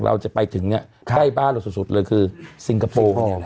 เราจะไปถึงเนี่ยใกล้บ้านเราสุดเลยคือซิงคโปร์